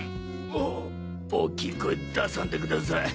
お大きい声出さんでください。